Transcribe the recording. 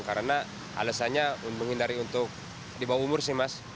karena alasannya menghindari untuk dibawa umur sih mas